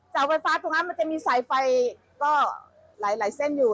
เสาไฟฟ้าตรงนั้นมันจะมีสายไฟก็หลายเส้นอยู่